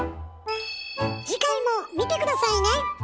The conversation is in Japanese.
次回も見て下さいね！